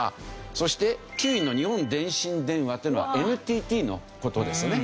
そして９位の日本電信電話というのはＮＴＴの事ですね。